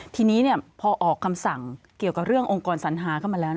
ทีนี้พอออกคำสั่งเกี่ยวกับเรื่ององค์กรสัญหาเข้ามาแล้ว